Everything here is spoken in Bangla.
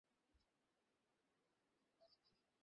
না, না, না, অনুযা।